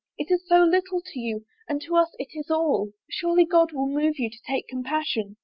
It is so little to you and to us it is all. Surely God will move you to take compassion